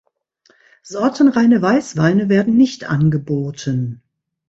Sortenreine Weißweine werden nicht angeboten.